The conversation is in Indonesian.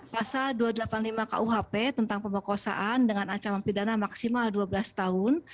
pasal dua ratus delapan puluh lima kuhp tentang pemerkosaan dengan ancaman pidana maksimal dua belas tahun